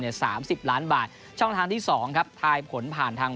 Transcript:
สามสิบล้านบาทช่องทางที่สองครับทายผลผ่านทาง